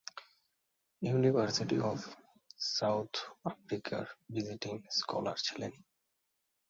University of south আফ্রিকার visiting scholar ছিলেন।